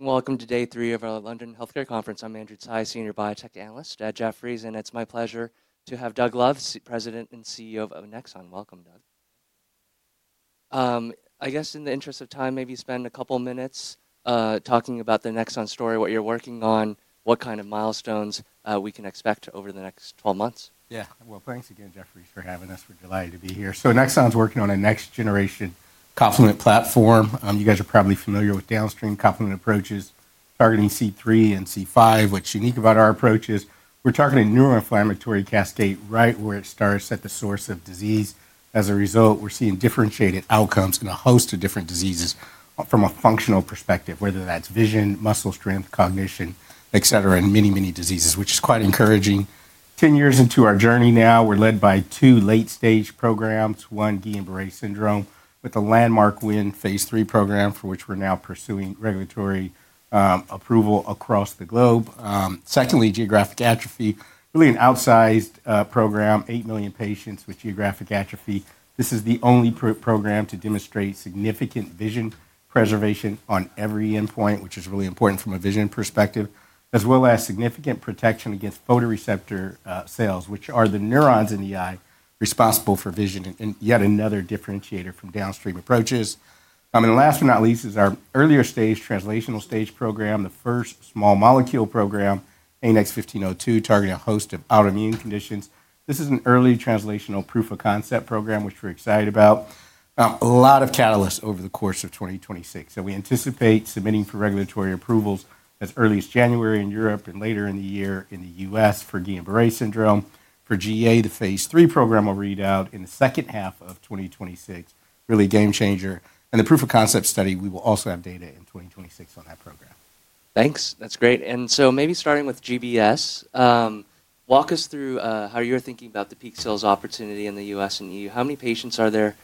Welcome to day three of our London Healthcare Conference. I'm Andrew Tsai, Senior Biotech Analyst at Jefferies, and it's my pleasure to have Doug Love, President and CEO of Annexon. Welcome, Doug. I guess in the interest of time, maybe spend a couple of minutes talking about the Annexon story, what you're working on, what kind of milestones we can expect over the next 12 months. Yeah, thanks again, Jefferies, for having us. We're delighted to be here. Annexon's working on a next-generation complement platform. You guys are probably familiar with downstream complement approaches targeting C3 and C5. What's unique about our approach is we're targeting neuroinflammatory cascade right where it starts at the source of disease. As a result, we're seeing differentiated outcomes in a host of different diseases from a functional perspective, whether that's vision, muscle strength, cognition, et cetera, and many, many diseases, which is quite encouraging. Ten years into our journey now, we're led by two late-stage programs, one Guillain-Barré syndrome with the landmark WIN phase III program, for which we're now pursuing regulatory approval across the globe. Secondly, geographic atrophy, really an outsized program, 8 million patients with geographic atrophy. This is the only program to demonstrate significant vision preservation on every endpoint, which is really important from a vision perspective, as well as significant protection against photoreceptor cells, which are the neurons in the eye responsible for vision, yet another differentiator from downstream approaches. Last but not least, is our earlier stage translational stage program, the first small molecule program, ANX1502, targeting a host of autoimmune conditions. This is an early translational proof of concept program, which we're excited about. A lot of catalysts over the course of 2026. We anticipate submitting for regulatory approvals as early as January in Europe and later in the year in the U.S. for Guillain-Barré syndrome. For GA, the phase III program will read out in the second half of 2026, really a game changer. The proof of concept study, we will also have data in 2026 on that program. Thanks. That's great. Maybe starting with GBS, walk us through how you're thinking about the peak sales opportunity in the U.S. and EU. How many patients are there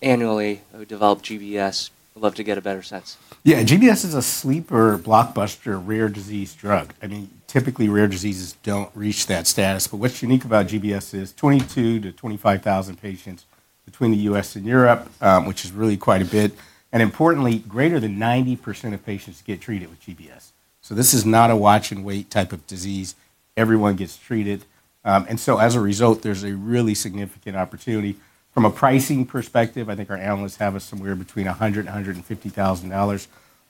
annually who develop GBS? We'd love to get a better sense. Yeah, GBS is a sleeper, blockbuster, rare disease drug. I mean, typically rare diseases don't reach that status, but what's unique about GBS is 22,000-25,000 patients between the U.S. and Europe, which is really quite a bit. Importantly, greater than 90% of patients get treated with GBS. This is not a watch-and-wait type of disease. Everyone gets treated. As a result, there's a really significant opportunity. From a pricing perspective, I think our analysts have us somewhere between $100,000 and $150,000 for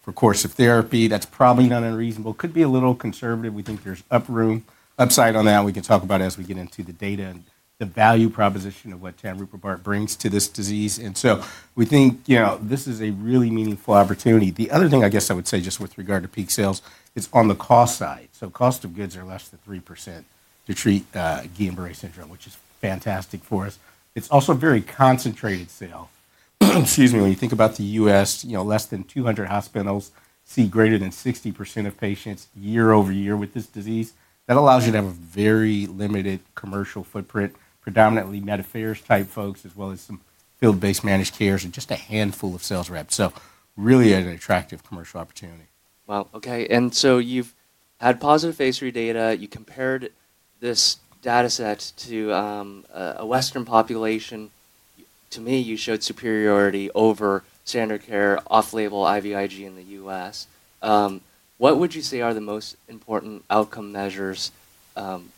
a course of therapy. That's probably not unreasonable. Could be a little conservative. We think there's uproom, upside on that. We can talk about it as we get into the data and the value proposition of what tanruprubart brings to this disease. We think this is a really meaningful opportunity. The other thing I guess I would say just with regard to peak sales is on the cost side. Cost of goods are less than 3% to treat Guillain-Barré syndrome, which is fantastic for us. It's also a very concentrated sale. Excuse me, when you think about the U.S., less than 200 hospitals see greater than 60% of patients year over year with this disease. That allows you to have a very limited commercial footprint, predominantly Medicare-type folks, as well as some field-based managed cares and just a handful of sales reps. Really an attractive commercial opportunity. Wow. Okay. You have had positive phase III data. You compared this data set to a Western population. To me, you showed superiority over standard care, off-label IVIG in the U.S. What would you say are the most important outcome measures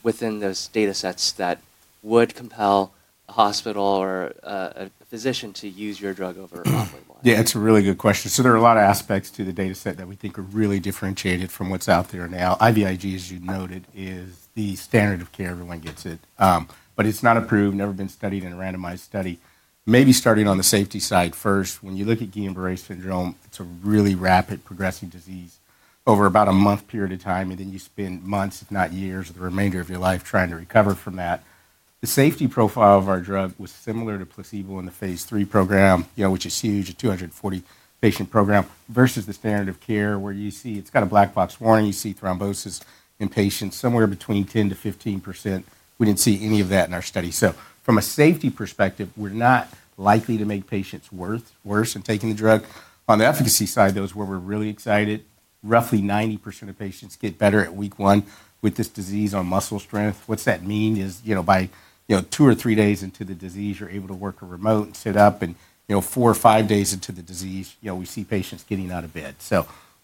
within those data sets that would compel a hospital or a physician to use your drug over off-label? Yeah, it's a really good question. There are a lot of aspects to the data set that we think are really differentiated from what's out there now. IVIG, as you noted, is the standard of care. Everyone gets it, but it's not approved, never been studied in a randomized study. Maybe starting on the safety side first, when you look at Guillain-Barré syndrome, it's a really rapid progressing disease over about a month period of time, and then you spend months, if not years, the remainder of your life trying to recover from that. The safety profile of our drug was similar to placebo in the phase III program, which is huge, a 240-patient program versus the standard of care where you see it's got a black box warning. You see thrombosis in patients somewhere between 10%-15%. We didn't see any of that in our study. From a safety perspective, we're not likely to make patients worse in taking the drug. On the efficacy side, those were we're really excited. Roughly 90% of patients get better at week one with this disease on muscle strength. What that means is by two or three days into the disease, you're able to work remote and sit up, and four or five days into the disease, we see patients getting out of bed.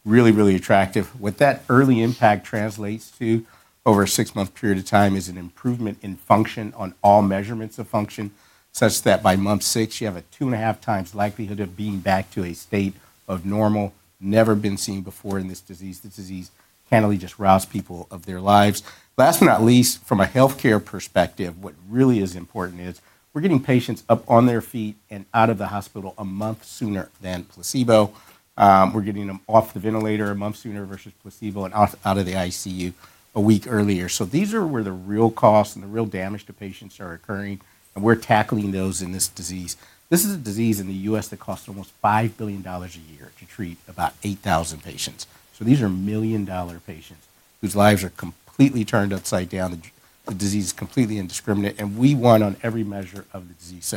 Really, really attractive. What that early impact translates to over a six-month period of time is an improvement in function on all measurements of function, such that by month six, you have a two and a half times likelihood of being back to a state of normal, never been seen before in this disease. This disease can't really just rouse people of their lives. Last but not least, from a healthcare perspective, what really is important is we're getting patients up on their feet and out of the hospital a month sooner than placebo. We're getting them off the ventilator a month sooner versus placebo and out of the ICU a week earlier. These are where the real costs and the real damage to patients are occurring, and we're tackling those in this disease. This is a disease in the U.S. that costs almost $5 billion a year to treat about 8,000 patients. These are million-dollar patients whose lives are completely turned upside down. The disease is completely indiscriminate, and we won on every measure of the disease.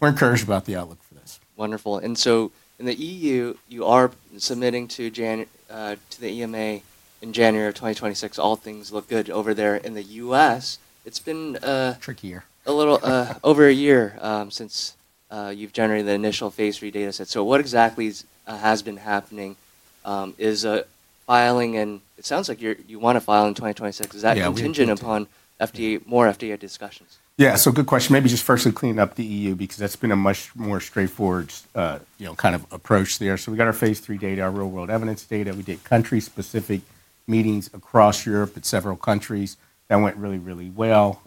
We're encouraged about the outlook for this. Wonderful. In the EU, you are submitting to the EMA in January of 2026. All things look good over there. In the U.S., it's been trickier. A little over a year since you've generated the initial phase III data set. So what exactly has been happening is filing, and it sounds like you want to file in 2026. Is that contingent upon more FDA discussions? Yeah. Good question. Maybe just first to clean up the EU because that's been a much more straightforward kind of approach there. We got our phase III data, our real-world evidence data. We did country-specific meetings across Europe at several countries. That went really, really well.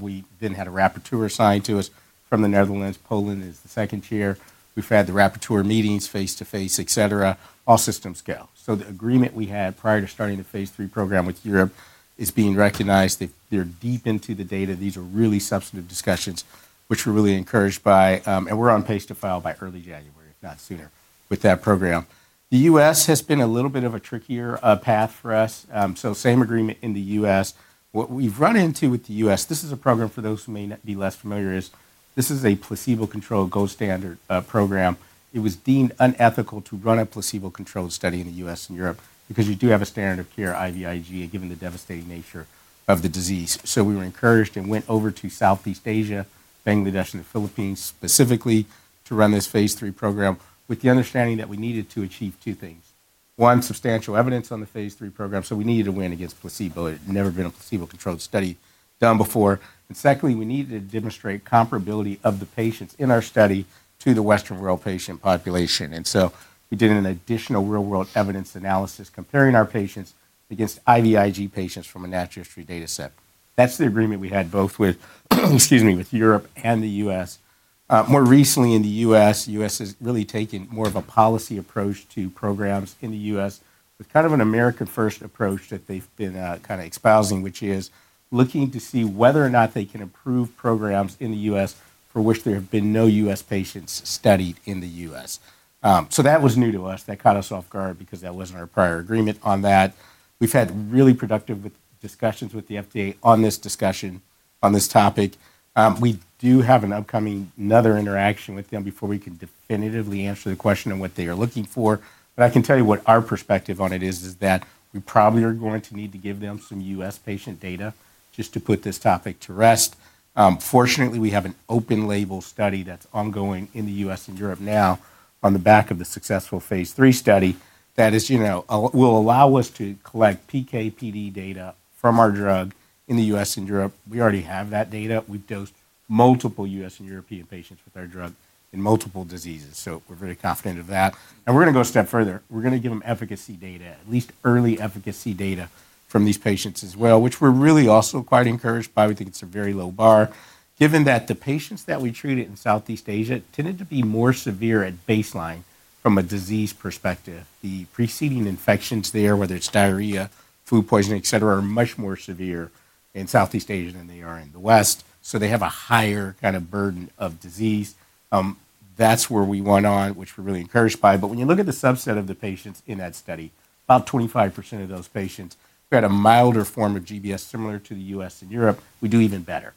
We then had a rapporteur assigned to us from the Netherlands. Poland is the second year. We've had the rapporteur meetings face-to-face, et cetera. All systems go. The agreement we had prior to starting the phase III program with Europe is being recognized that they're deep into the data. These are really substantive discussions, which we're really encouraged by, and we're on pace to file by early January, if not sooner, with that program. The U.S. has been a little bit of a trickier path for us. Same agreement in the U.S. What we've run into with the U.S., this is a program for those who may be less familiar, is this is a placebo-controlled gold standard program. It was deemed unethical to run a placebo-controlled study in the U.S. and Europe because you do have a standard of care IVIG given the devastating nature of the disease. We were encouraged and went over to Southeast Asia, Bangladesh, and the Philippines specifically to run this phase III program with the understanding that we needed to achieve two things. One, substantial evidence on the phase III program. We needed to win against placebo. It had never been a placebo-controlled study done before. Secondly, we needed to demonstrate comparability of the patients in our study to the Western world patient population. We did an additional real-world evidence analysis comparing our patients against IVIG patients from a natural history data set. That is the agreement we had both with, excuse me, with Europe and the U.S. More recently in the U.S., the U.S. has really taken more of a policy approach to programs in the U.S. with kind of an America-first approach that they have been kind of espousing, which is looking to see whether or not they can improve programs in the U.S. for which there have been no U.S. patients studied in the U.S. That was new to us. That caught us off guard because that was not our prior agreement on that. We have had really productive discussions with the FDA on this discussion, on this topic. We do have an upcoming another interaction with them before we can definitively answer the question of what they are looking for. I can tell you what our perspective on it is, is that we probably are going to need to give them some U.S. patient data just to put this topic to rest. Fortunately, we have an open label study that's ongoing in the U.S. and Europe now on the back of the successful phase III study that will allow us to collect PK/PD data from our drug in the U.S. and Europe. We already have that data. We've dosed multiple U.S. and European patients with our drug in multiple diseases. We are very confident of that. We are going to go a step further. We are going to give them efficacy data, at least early efficacy data from these patients as well, which we are really also quite encouraged by. We think it's a very low bar, given that the patients that we treated in Southeast Asia tended to be more severe at baseline from a disease perspective. The preceding infections there, whether it's diarrhea, food poisoning, et cetera, are much more severe in Southeast Asia than they are in the West. They have a higher kind of burden of disease. That's where we won on, which we're really encouraged by. When you look at the subset of the patients in that study, about 25% of those patients who had a milder form of GBS, similar to the U.S. and Europe, we do even better.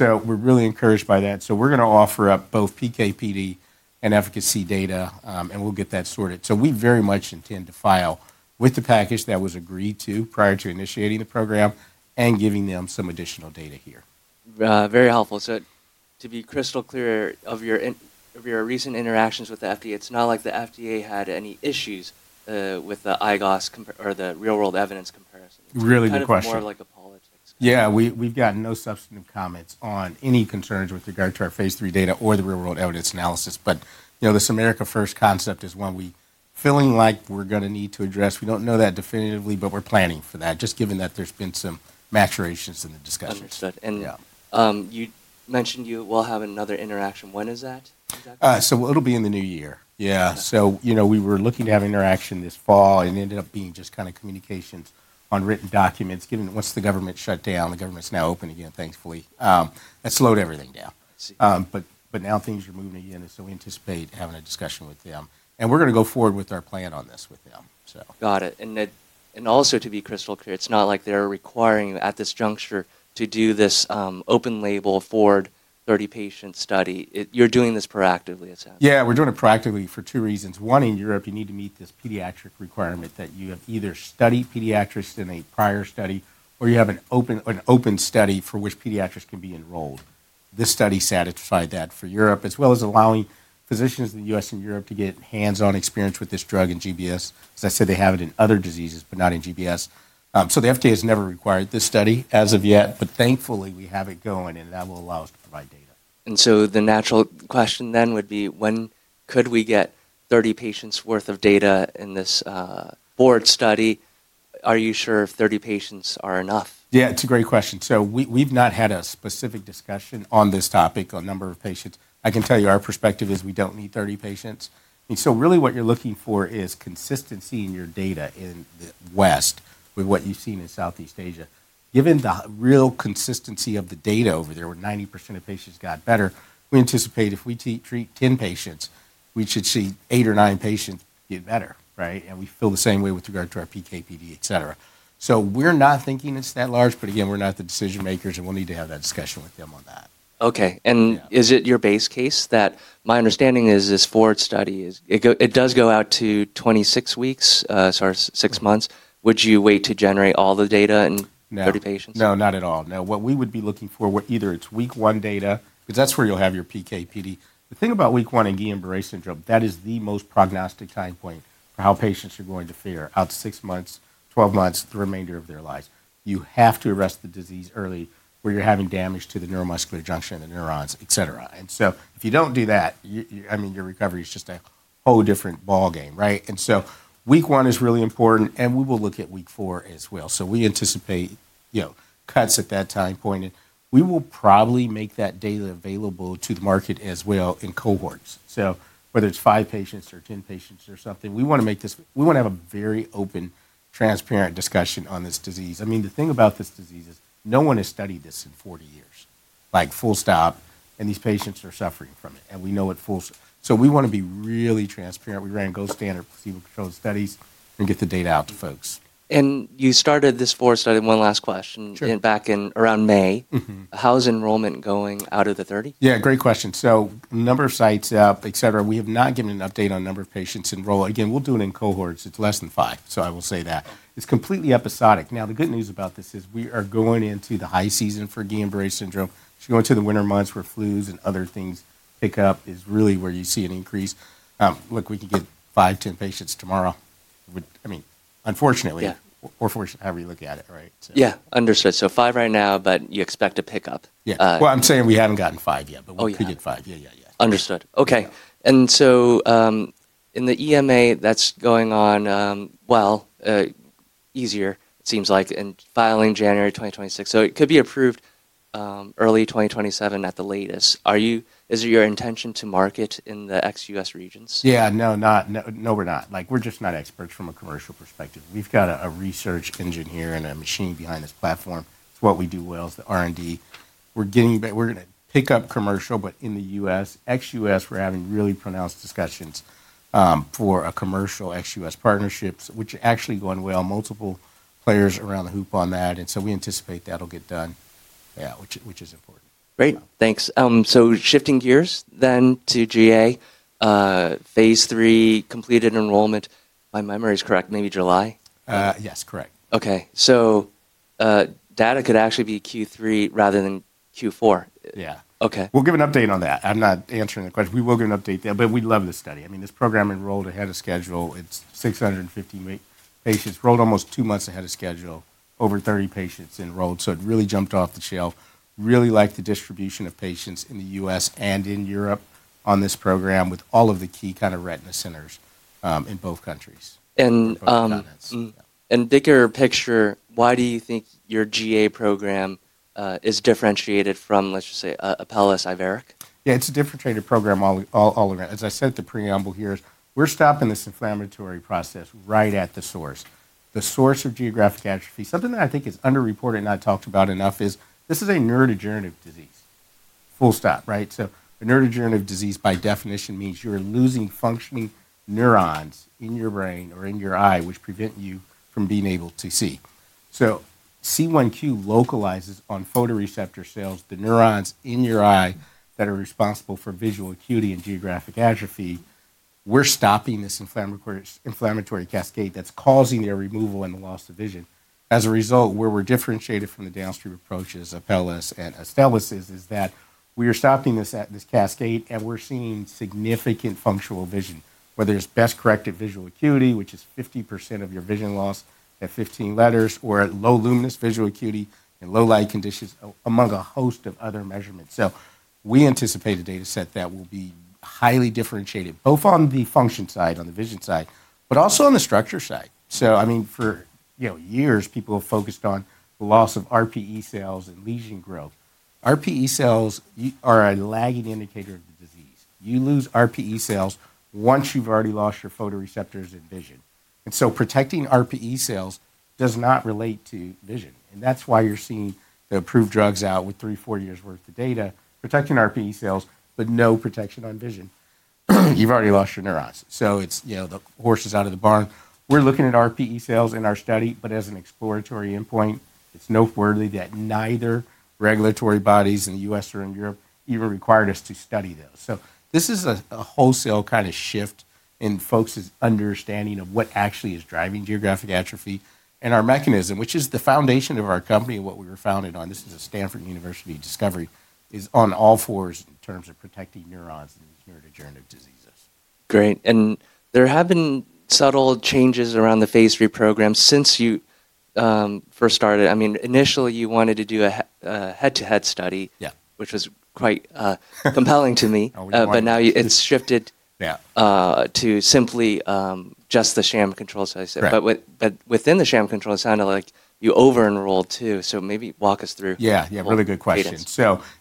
We're really encouraged by that. We're going to offer up both PK/PD and efficacy data, and we'll get that sorted. We very much intend to file with the package that was agreed to prior to initiating the program and giving them some additional data here. Very helpful. To be crystal clear of your recent interactions with the FDA, it's not like the FDA had any issues with the IGOS or the real-world evidence comparison. Really good question. More like a politics. Yeah. We've gotten no substantive comments on any concerns with regard to our phase III data or the real-world evidence analysis. This America-first concept is one we're feeling like we're going to need to address. We don't know that definitively, but we're planning for that, just given that there's been some maturations in the discussions. Understood. You mentioned you will have another interaction. When is that? It'll be in the new year. Yeah. We were looking to have interaction this fall. It ended up being just kind of communications on written documents, given once the government shut down, the government's now open again, thankfully. That slowed everything down. Now things are moving again, so we anticipate having a discussion with them. We're going to go forward with our plan on this with them. Got it. Also, to be crystal clear, it's not like they're requiring you at this juncture to do this open-label, 30-patient study. You're doing this proactively, it sounds. Yeah, we're doing it proactively for two reasons. One, in Europe, you need to meet this pediatric requirement that you have either studied pediatrics in a prior study or you have an open study for which pediatrics can be enrolled. This study satisfied that for Europe, as well as allowing physicians in the U.S. and Europe to get hands-on experience with this drug in GBS, as I said, they have it in other diseases, but not in GBS. The FDA has never required this study as of yet, but thankfully we have it going, and that will allow us to provide data. The natural question then would be, when could we get 30 patients' worth of data in this board study? Are you sure if 30 patients are enough? Yeah, it's a great question. We've not had a specific discussion on this topic on number of patients. I can tell you our perspective is we don't need 30 patients. What you're looking for is consistency in your data in the West with what you've seen in Southeast Asia. Given the real consistency of the data over there, where 90% of patients got better, we anticipate if we treat 10 patients, we should see eight or nine patients get better, right? We feel the same way with regard to our PK/PD, et cetera. We're not thinking it's that large, but again, we're not the decision makers, and we'll need to have that discussion with them on that. Okay. Is it your base case that my understanding is this FORWARD study, it does go out to 26 weeks, sorry, 6 months? Would you wait to generate all the data in 30 patients? No, not at all. No, what we would be looking for, either it's week one data, because that's where you'll have your PK/PD. The thing about week one in Guillain-Barré syndrome, that is the most prognostic time point for how patients are going to fare out to six months, 12 months, the remainder of their lives. You have to arrest the disease early where you're having damage to the neuromuscular junction and the neurons, et cetera. If you don't do that, I mean, your recovery is just a whole different ball game, right? Week one is really important, and we will look at week four as well. We anticipate cuts at that time point, and we will probably make that data available to the market as well in cohorts. Whether it's 5 patients or 10 patients or something, we want to make this, we want to have a very open, transparent discussion on this disease. I mean, the thing about this disease is no one has studied this in 40 years, full stop, and these patients are suffering from it, and we know it full. We want to be really transparent. We ran gold standard placebo-controlled studies and get the data out to folks. You started this FORWARD study, one last question, back in around May. How's enrollment going out of the 30? Yeah, great question. So number of sites up, et cetera. We have not given an update on number of patients enrolled. Again, we'll do it in cohorts. It's less than five, so I will say that. It's completely episodic. Now, the good news about this is we are going into the high season for Guillain-Barré syndrome. You go into the winter months where flues and other things pick up is really where you see an increase. Look, we can get 5, 10 patients tomorrow. I mean, unfortunately, or fortunately, however you look at it, right? Yeah, understood. So 5 right now, but you expect a pickup. Yeah. I'm saying we haven't gotten 5 yet, but we could get 5. Yeah. Understood. Okay. In the EMA, that's going on well, easier, it seems like, and filing January 2026. It could be approved early 2027 at the latest. Is it your intention to market in the ex-US regions? Yeah, no, not, no, we're not. We're just not experts from a commercial perspective. We've got a research engine here and a machine behind this platform. It's what we do well is the R&D. We're going to pick up commercial, but in the U.S., ex-U.S., we're having really pronounced discussions for a commercial ex-U.S. partnership, which is actually going well. Multiple players around the hoop on that. We anticipate that'll get done, yeah, which is important. Great. Thanks. Shifting gears then to GA, phase III completed enrollment, if my memory is correct, maybe July? Yes, correct. Okay. So data could actually be Q3 rather than Q4. Yeah. Okay. We'll give an update on that. I'm not answering the question. We will give an update there, but we love this study. I mean, this program enrolled ahead of schedule. It's 650 patients enrolled almost two months ahead of schedule, over 30 sites enrolled. It really jumped off the shelf. Really liked the distribution of patients in the U.S. and in Europe on this program with all of the key kind of retina centers in both countries. To make a bigger picture, why do you think your GA program is differentiated from, let's just say, Apellis, Iveric? Yeah, it's a differentiated program all around. As I said, the preamble here is we're stopping this inflammatory process right at the source. The source of geographic atrophy, something that I think is underreported and not talked about enough, is this is a neurodegenerative disease. Full stop, right? A neurodegenerative disease by definition means you're losing functioning neurons in your brain or in your eye, which prevent you from being able to see. C1q localizes on photoreceptor cells, the neurons in your eye that are responsible for visual acuity and geographic atrophy. We're stopping this inflammatory cascade that's causing their removal and the loss of vision. As a result, where we're differentiated from the downstream approaches of Apellis and Astellas is that we are stopping this cascade and we're seeing significant functional vision, whether it's best corrected visual acuity, which is 50% of your vision loss at 15 letters, or at low luminance visual acuity in low light conditions among a host of other measurements. We anticipate a data set that will be highly differentiated, both on the function side, on the vision side, but also on the structure side. I mean, for years, people have focused on the loss of RPE cells and lesion growth. RPE cells are a lagging indicator of the disease. You lose RPE cells once you've already lost your photoreceptors in vision. Protecting RPE cells does not relate to vision. That is why you're seeing the approved drugs out with 3, 4 years' worth of data protecting RPE cells, but no protection on vision. You've already lost your neurons. The horse is out of the barn. We're looking at RPE cells in our study, but as an exploratory endpoint. It's noteworthy that neither regulatory bodies in the U.S. or in Europe even required us to study those. This is a wholesale kind of shift in folks' understanding of what actually is driving geographic atrophy and our mechanism, which is the foundation of our company and what we were founded on. This is a Stanford University discovery, is on all fours in terms of protecting neurons in these neurodegenerative diseases. Great. There have been subtle changes around the phase III program since you first started. I mean, initially you wanted to do a head-to-head study, which was quite compelling to me, but now it's shifted to simply just the sham controls, as I said. Within the sham controls, it sounded like you over-enrolled too. Maybe walk us through. Yeah, yeah, really good question.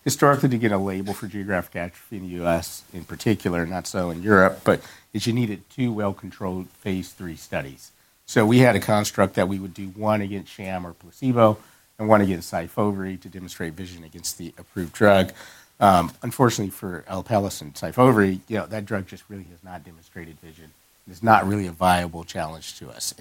Historically, to get a label for geographic atrophy in the U.S. in particular, not so in Europe, but you needed two well-controlled phase III studies. We had a construct that we would do one against sham or placebo and one against Syfovre to demonstrate vision against the approved drug. Unfortunately, for Apellis and Syfovre, that drug just really has not demonstrated vision. It's not really a viable challenge to us.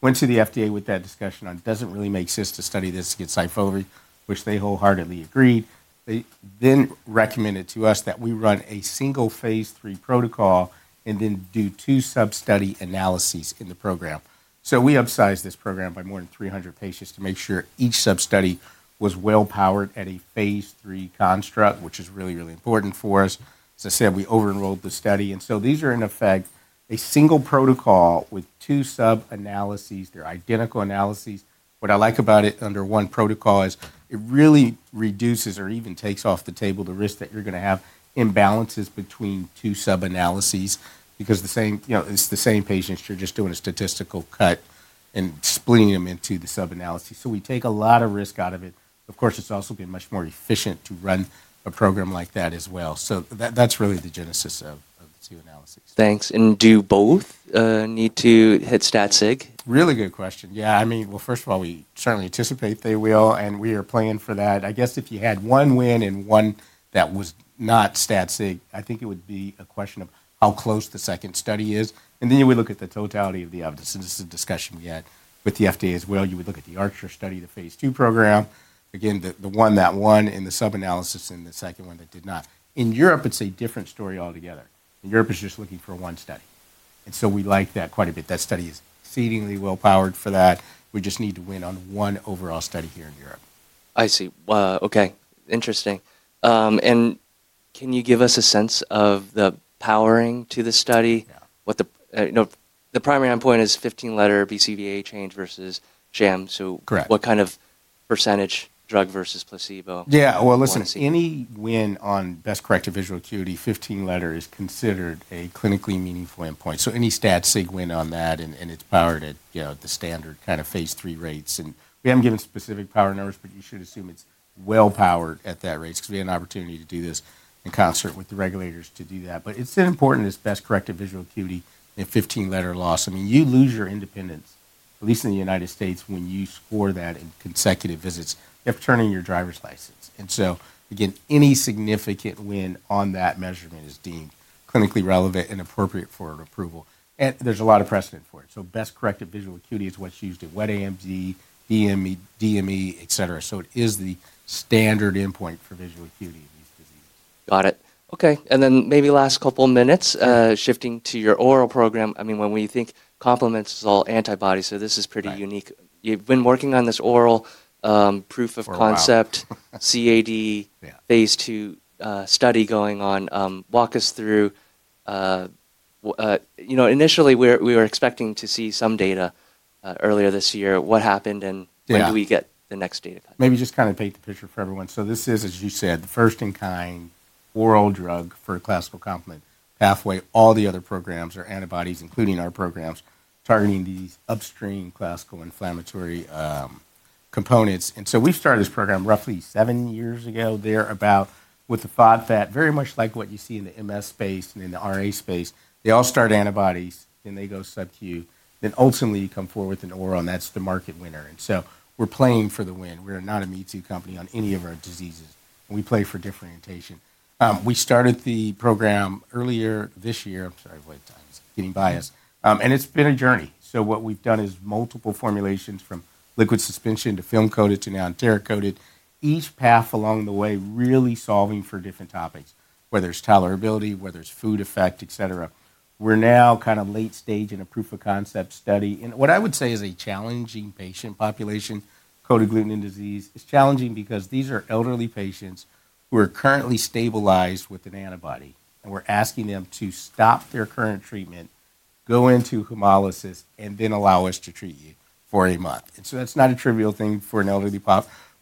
Went to the FDA with that discussion on it doesn't really make sense to study this against Syfovre, which they wholeheartedly agreed. They then recommended to us that we run a single phase III protocol and then do two sub-study analyses in the program. We upsized this program by more than 300 patients to make sure each sub-study was well-powered at a phase III construct, which is really, really important for us. As I said, we over-enrolled the study. These are in effect a single protocol with two sub-analyses. They're identical analyses. What I like about it under one protocol is it really reduces or even takes off the table the risk that you're going to have imbalances between two sub-analyses because it's the same patients, you're just doing a statistical cut and splitting them into the sub-analyses. We take a lot of risk out of it. Of course, it's also been much more efficient to run a program like that as well. That's really the genesis of the two analyses. Thanks. Do both need to hit stat-sig? Really good question. Yeah. I mean, first of all, we certainly anticipate they will, and we are playing for that. I guess if you had one win and one that was not stat-sig, I think it would be a question of how close the second study is. You would look at the totality of the evidence. This is a discussion we had with the FDA as well. You would look at the ARCHER study, the phase II program, again, the one that won in the sub-analysis and the second one that did not. In Europe, it is a different story altogether. In Europe, it is just looking for one study. We like that quite a bit. That study is exceedingly well-powered for that. We just need to win on one overall study here in Europe. I see. Okay. Interesting. Can you give us a sense of the powering to the study? The primary endpoint is 15-letter BCVA change versus sham. What kind of percentage drug versus placebo? Yeah. Listen, any win on best corrected visual acuity, 15-letter, is considered a clinically meaningful endpoint. Any stat-sig win on that, and it's powered at the standard kind of phase III rates. We haven't given specific power numbers, but you should assume it's well-powered at that rate because we had an opportunity to do this in concert with the regulators to do that. It's important as best corrected visual acuity and 15-letter loss. I mean, you lose your independence, at least in the U.S., when you score that in consecutive visits, they're turning your driver's license. Again, any significant win on that measurement is deemed clinically relevant and appropriate for approval. There's a lot of precedent for it. Best corrected visual acuity is what's used in wet AMD, DME, et cetera. It is the standard endpoint for visual acuity in these diseases. Got it. Okay. Maybe last couple of minutes, shifting to your oral program. I mean, when we think complements, it's all antibodies. This is pretty unique. You've been working on this oral proof of concept, CAD phase II study going on. Walk us through. Initially, we were expecting to see some data earlier this year. What happened and when do we get the next data? Maybe just kind of paint the picture for everyone. This is, as you said, the first in kind oral drug for a classical complement pathway. All the other programs are antibodies, including our programs, targeting these upstream classical inflammatory components. We started this program roughly seven years ago thereabout with the FODPEP, very much like what you see in the MS space and in the RA space. They all start antibodies, then they go subq. Ultimately, you come forward with an oral, and that's the market winner. We're playing for the win. We're not a "me too" company on any of our diseases. We play for differentiation. We started the program earlier this year. I'm sorry, getting biased. It's been a journey. What we've done is multiple formulations from liquid suspension to film-coated to now enteric-coated, each path along the way really solving for different topics, whether it's tolerability, whether it's food effect, et cetera. We're now kind of late stage in a proof of concept study. What I would say is a challenging patient population, cold agglutinin disease, is challenging because these are elderly patients who are currently stabilized with an antibody. We're asking them to stop their current treatment, go into hemolysis, and then allow us to treat you for a month. That is not a trivial thing for an elderly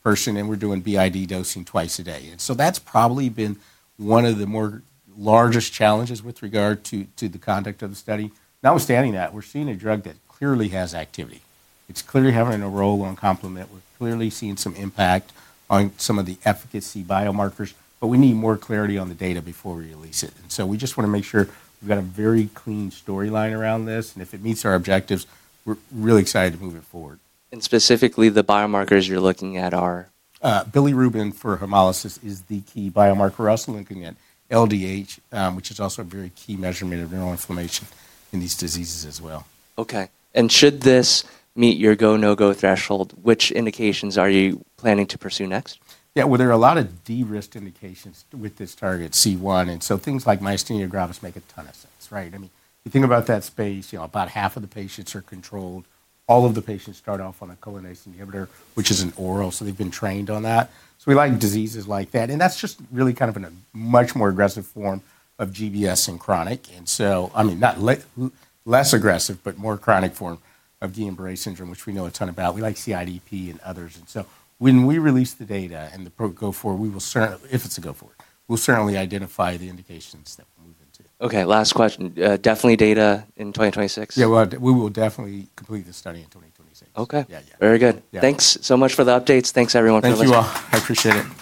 person. We're doing BID dosing twice a day. That has probably been one of the largest challenges with regard to the conduct of the study. Notwithstanding that, we're seeing a drug that clearly has activity. It's clearly having a role on complement. We're clearly seeing some impact on some of the efficacy biomarkers, but we need more clarity on the data before we release it. We just want to make sure we've got a very clean storyline around this. If it meets our objectives, we're really excited to move it forward. Specifically, the biomarkers you're looking at are. Bilirubin for hemolysis is the key biomarker we're also looking at, LDH, which is also a very key measurement of neuroinflammation in these diseases as well. Okay. Should this meet your go-no-go threshold, which indications are you planning to pursue next? Yeah, well, there are a lot of de-risk indications with this target C1. And so things like myasthenia gravis make a ton of sense, right? I mean, you think about that space, about half of the patients are controlled. All of the patients start off on a cholinase inhibitor, which is an oral. So they've been trained on that. So we like diseases like that. And that's just really kind of in a much more aggressive form of GBS and chronic. I mean, not less aggressive, but more chronic form of Guillain-Barré syndrome, which we know a ton about. We like CIDP and others. And so when we release the data and the go forward, we will certainly, if it's a go forward, we'll certainly identify the indications that we'll move into. Okay. Last question. Definitely data in 2026? Yeah, we will definitely complete the study in 2026. Okay. Very good. Thanks so much for the updates. Thanks, everyone. Thank you all. I appreciate it.